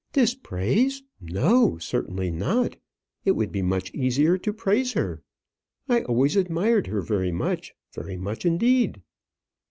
"Dispraise! no, certainly not. It would be much easier to praise her. I always admired her very much; very much indeed."